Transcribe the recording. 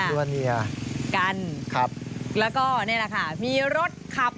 แล้วก็นี่แหละค่ะมีรถขับ